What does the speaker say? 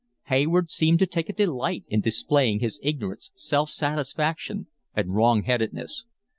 Hayward seemed to take a delight in displaying his ignorance, self satisfaction, and wrongheadedness.